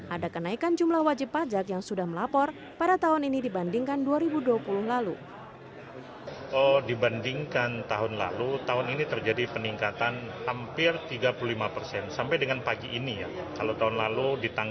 ada kenaikan jumlah wajib pajak yang sudah melapor pada tahun ini dibandingkan dua ribu dua puluh lalu